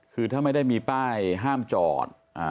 คือถ้าไม่ได้มีป้ายห้ามจอด